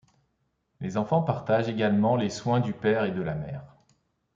Les enfants partagent également les soins du père et de la mère.